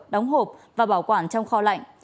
đóng hộp và bảo quản trong kho lạnh